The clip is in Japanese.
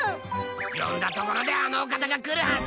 呼んだところであのお方が来るはず。